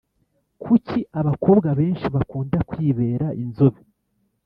Kuki abakobwa benshi bakunda kwibera inzobe